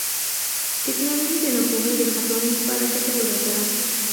ټیکنالوژي د ناپوهۍ د ختمولو لپاره ګټوره ده.